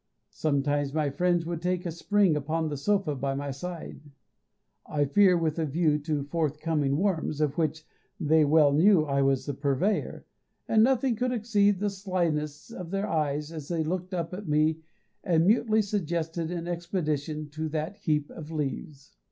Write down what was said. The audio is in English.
Sometimes my friends would make a spring upon the sofa by my side, I fear with a view to forthcoming worms, of which they well knew I was the purveyor; and nothing could exceed the slyness of their eyes as they looked up at me and mutely suggested an expedition to that heap of leaves!